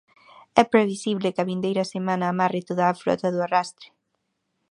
É previsible que a vindeira semana amarre toda a frota do arrastre.